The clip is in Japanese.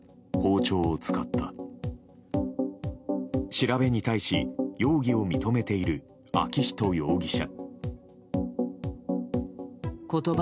調べに対し容疑を認めている昭仁容疑者。